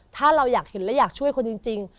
ถ้าเราอยากเห็นและอยากช่วยคนจริง